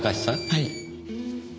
はい。